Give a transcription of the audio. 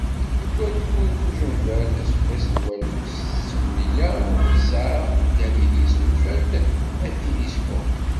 Deg awayyur n dujenber, aseggas n walef u settemya u tesεa, Galili isnulfa-d atiliskup.